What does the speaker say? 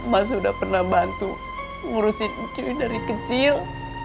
mak sudah pernah bantu ngurusin cuy dari kecil